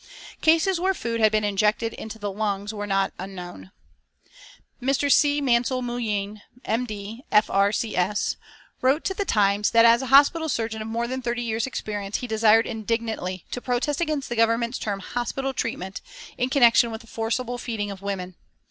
Cases where food had been injected into the lungs were not unknown. Mr. C. Mansell Moullin, M.D., F.R.C.S., wrote to The Times that as a hospital surgeon of more than thirty years' experience he desired indignantly to protest against the Government's term "Hospital treatment" in connection with the forcible feeding of women.